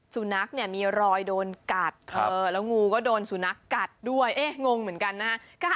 สุนัขเนี่ยมีรอยโดนกัดแล้วงูก็โดนสุนัขกัดด้วยเอ๊ะงงเหมือนกันนะฮะ